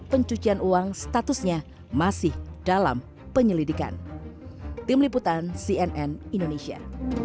pencucian uang statusnya masih dalam penyelidikan tim liputan cnn indonesia